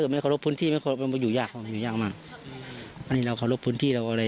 ไม่ขอรบพื้นที่อยู่ยากอยู่ยากมากอันนี้เราขอรบพื้นที่เราก็เลย